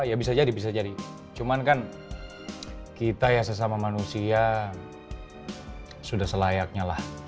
ya bisa jadi bisa jadi cuman kan kita ya sesama manusia sudah selayaknya lah